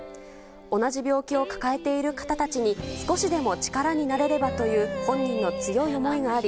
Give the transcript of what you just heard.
同じ病気を抱えている方たちに少しでも力になれればという本人の強い思いがあり